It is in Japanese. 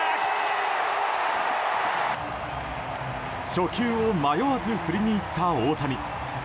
初球を迷わず振りにいった大谷。